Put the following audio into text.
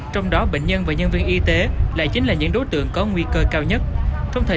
trong đó bệnh nhân và nhân viên y tế lại chính là những đối tượng có nguy cơ cao nhất trong thời